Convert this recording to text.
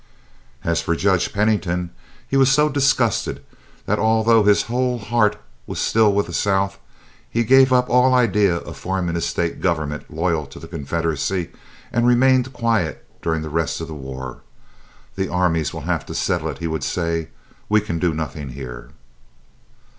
As for Judge Pennington, he was so disgusted that although his whole heart was with the South, he gave up all idea of forming a state government loyal to the Confederacy, and remained quiet during the rest of the war. "The armies will have to settle it," he would say; "we can do nothing here."